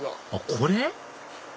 これ？